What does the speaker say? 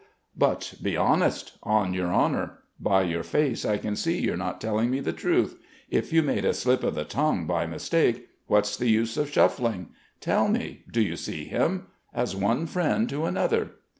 "But, be honest on your honour. By your face I can see you're not telling me the truth. If you made a slip of the tongue by mistake, what's the use of shuffling. Tell me, do you see him? As one friend to another."